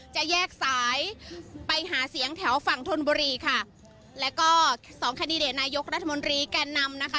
จะแยกสายไปหาเสียงแถวฝั่งธนบุรีค่ะแล้วก็สองแคนดิเดตนายกรัฐมนตรีแก่นำนะคะ